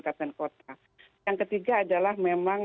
kabupaten kota yang ketiga adalah memang